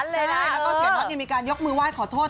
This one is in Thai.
ใช่แล้วก็เสียน็อตมีการยกมือไหว้ขอโทษ